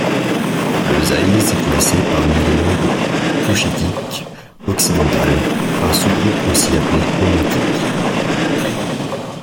Le zayse est classé parmi les langues couchitiques occidentales, un sous-groupe aussi appelé omotique.